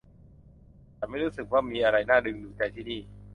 ฉันไม่รู้สึกว่ามีอะไรน่าดึงดูดใจที่นี่